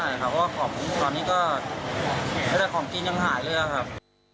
เพราะว่าของตอนนี้ก็ไม่ได้ของกินยังหายเลยครับ